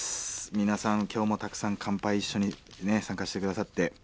皆さん今日もたくさん乾杯一緒にね参加して下さって。